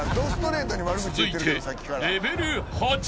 ［続いて］